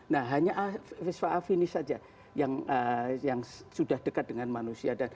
nah hanya vespa afinis saja yang sudah dekat dengan manusia